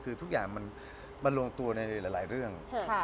คือทุกอย่างมันลงตัวในหลายเรื่อง